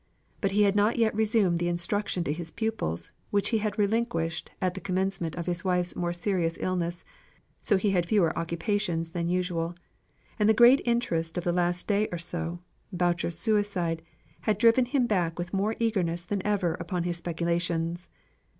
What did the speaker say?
He had not yet resumed the instruction to his pupils, which he had relinquished at the commencement of his wife's more serious illness, so he had fewer occupations than usual; and the great interest of the last day or so (Boucher's suicide) had driven him back with more eagerness than ever upon his speculations.